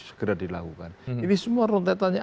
segera dilakukan ini semua rontetannya